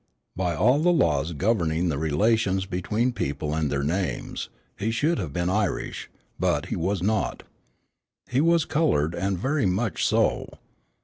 By all the laws governing the relations between people and their names, he should have been Irish but he was not. He was colored, and very much so.